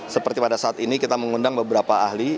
seperti pada saat ini kita mengundang beberapa ahli